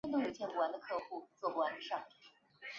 格日姆伦最初是瑞典社会民主工人党的成员。